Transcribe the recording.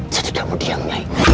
jadi kamu diam nyai